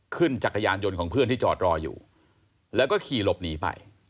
จักรยานยนต์ของเพื่อนที่จอดรออยู่แล้วก็ขี่หลบหนีไป